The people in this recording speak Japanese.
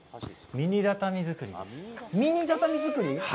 ミニ畳作り？